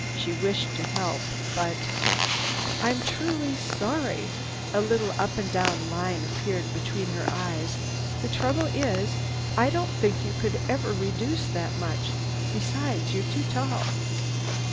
She wished to help, but— "I'm truly sorry!" A little up and down line appeared between her eyes. "The trouble is, I don't think you could ever reduce that much. Besides, you're too tall."